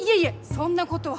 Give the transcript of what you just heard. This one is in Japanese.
そんなことは。